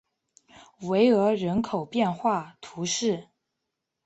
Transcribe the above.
维厄人口变化图示